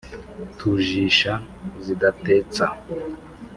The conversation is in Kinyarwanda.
tujisha zigatetsa.